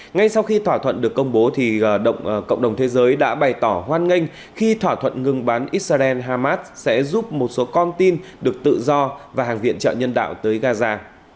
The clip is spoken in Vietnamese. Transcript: ngay sau khi thỏa thuận được công bố cộng đồng thế giới đã bày tỏ hoan nghênh khi thỏa thuận ngừng bắn israel hamas sẽ giúp một số con tin được tự do và hàng viện trợ nhân đạo tới gaza